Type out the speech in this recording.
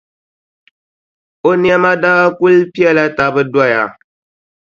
O nɛma daa kuli pela taba doya.